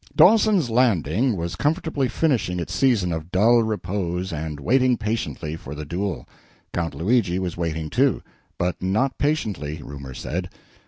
Dawson's Landing was comfortably finishing its season of dull repose and waiting patiently for the duel. Count Luigi was waiting, too; but not patiently, rumor said.